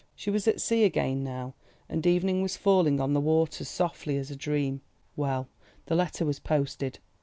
She was at sea again now, and evening was falling on the waters softly as a dream. Well, the letter was posted.